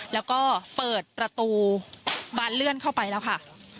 แล้วก็เปิดประตูบานเลื่อนเข้าไปแล้วค่ะ